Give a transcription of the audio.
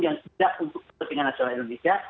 yang tidak untuk kepentingan nasional indonesia